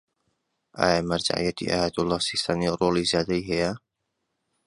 ئایا مەرجەعیەتی ئایەتوڵا سیستانی ڕۆڵی زیاتری هەیە؟